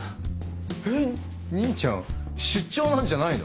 えっ兄ちゃん出張なんじゃないの？